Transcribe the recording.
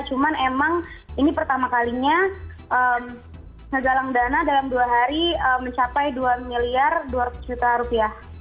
cuman emang ini pertama kalinya ngegalang dana dalam dua hari mencapai dua miliar dua ratus juta rupiah